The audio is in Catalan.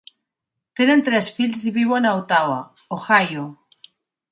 Tenen tres fills i viuen a Ottawa (Ohio).